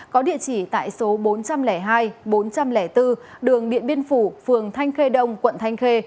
có địa chỉ tại số bốn trăm linh hai bốn trăm linh bốn đường điện biên phủ phường thanh khê đông quận thanh khê